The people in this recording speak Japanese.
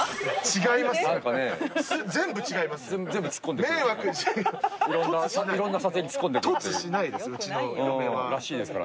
違いますよ。